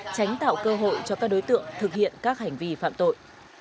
tránh tạo cơ hội cho các đối tượng thực hiện các hành vi phạm tội